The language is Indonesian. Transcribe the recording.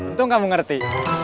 untung kamu ngerti